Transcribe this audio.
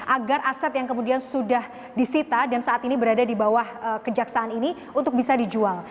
agar aset yang kemudian sudah disita dan saat ini berada di bawah kejaksaan ini untuk bisa dijual